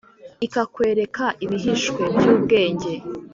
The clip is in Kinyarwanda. ikakwereka ibihishwe by’ubwenge,